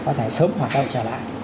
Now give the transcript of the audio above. có thể sớm hoạt động trở lại